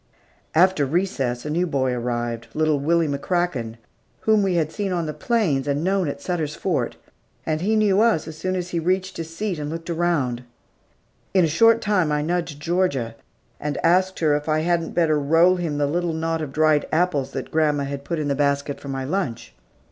After recess, a new boy arrived, little Willie McCracken, whom we had seen on the plains, and known at Sutter's Fort, and he knew us as soon as he reached his seat and looked around. In a short time, I nudged Georgia, and asked her if I hadn't better roll him the little knot of dried apples that grandma had put in the basket for my lunch.